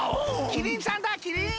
キリンさんだキリン。